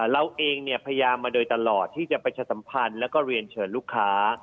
เราเองพยายามมาโดยตลอดที่จะประชาสัมพันธ์แล้วก็เรียนเชิญลูกค้า